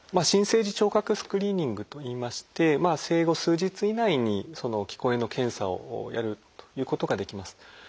「新生児聴覚スクリーニング」といいまして生後数日以内に聞こえの検査をやるということができます。